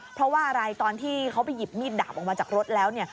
เพราะว่าอะไรตอนที่เขาไปหยิบมีดดาบออกมาจากรถแล้วเนี่ย